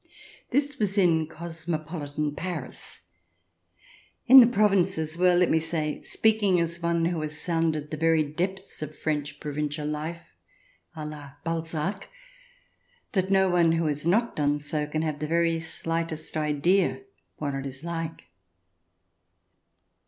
This was in cosmopolitan Paris. CH. Ill] SLEEPY HOLLOW 33 In the provinces — well, let me say, speaking as one who has sounded the very depths of French provincial life, a la Balzac, that no one who has not done so can have the very slightest idea what it is like.